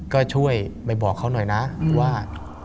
ก็ช่วยไปบอกเขาหน่อยนะว่า